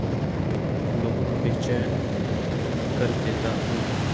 لوگوں کو بے چین کر دیتا ہوں